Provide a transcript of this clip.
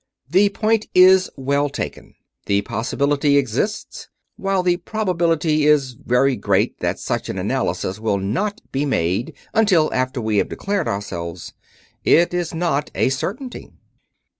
"The point is well taken. The possibility exists. While the probability is very great that such an analysis will not be made until after we have declared ourselves, it is not a certainty.